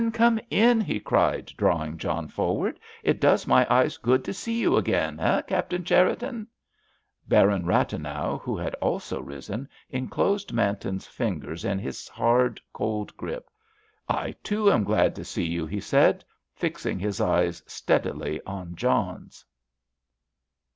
Come in!" he cried, drawing John forward. "It does my eyes good to see you again, eh, Captain Cherriton?" Baron Rathenau, who had also risen, enclosed Manton's fingers in his hard, cold grip. "I, too, am glad to see you," he said, fixing his eyes steadily on John's.